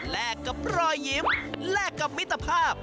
แลกกับรอยยิ้มแลกกับมิตรภาพ